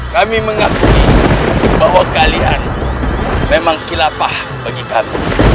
kami mengakui bahwa kalian memang kilapah bagi kami